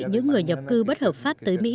những người nhập cư bất hợp pháp tới mỹ